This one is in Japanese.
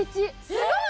すごい！